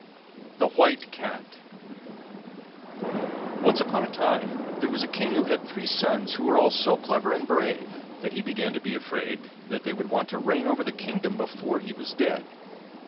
THE WHITE CAT Once upon a time there was a king who had three sons, who were all so clever and brave that he began to be afraid that they would want to reign over the kingdom before he was dead.